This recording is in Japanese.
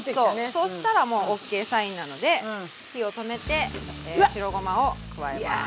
そうそしたらもうＯＫサインなので火を止めて白ごまを加えます。